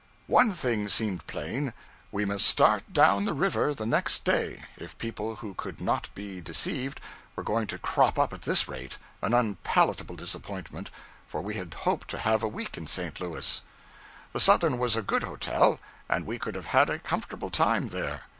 One thing seemed plain: we must start down the river the next day, if people who could not be deceived were going to crop up at this rate: an unpalatable disappointment, for we had hoped to have a week in St. Louis. The Southern was a good hotel, and we could have had a comfortable time there.